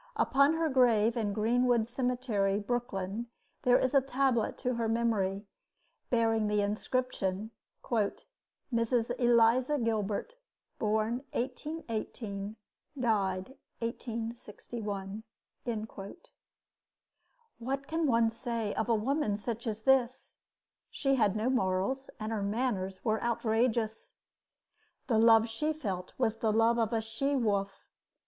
Upon her grave in Greenwood Cemetery, Brooklyn, there is a tablet to her memory, bearing the inscription: "Mrs. Eliza Gilbert, born 1818, died 1861." What can one say of a woman such as this? She had no morals, and her manners were outrageous. The love she felt was the love of a she wolf.